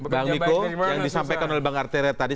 bang miko yang disampaikan oleh bang arti red tadi